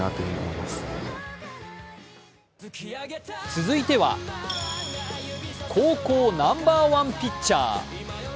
続いては、高校ナンバーワンピッチャー。